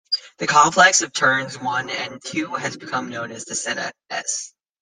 The complex of turns one and two has become known as the Senna 'S'.